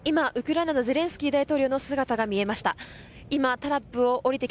今、ウクライナでゼレンスキー大統領の姿が見えました。